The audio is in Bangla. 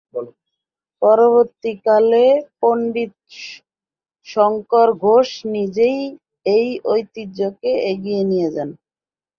পরবর্তীকালে, পণ্ডিত শঙ্কর ঘোষ নিজেই এই ঐতিহ্যকে এগিয়ে নিয়ে যান।